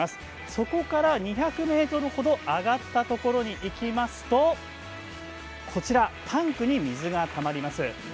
そこから２００ｍ程上がったところに行きますとこちらタンクに水がたまります。